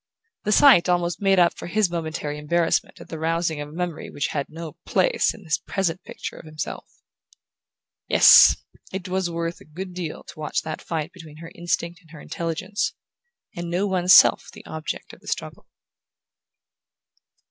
The sight almost made up for his momentary embarrassment at the rousing of a memory which had no place in his present picture of himself. Yes! It was worth a good deal to watch that fight between her instinct and her intelligence, and know one's self the object of the struggle...